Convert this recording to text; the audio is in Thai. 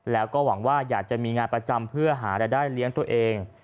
แล้วก็หวังว่าอยากจะมีงานประจำเพื่อหารายได้เลี้ยงตัวเอง